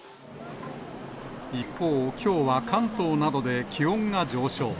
一方、きょうは関東などで気温が上昇。